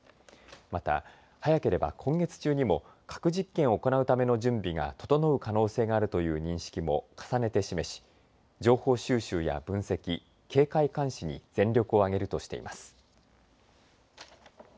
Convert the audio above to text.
また早ければ今月中にも核実験を行うための準備が整う可能性があるという認識も重ねて示し情報収集や分析、警戒監視に全力を挙げるとしています。